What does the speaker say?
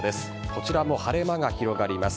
こちらも晴れ間が広がります。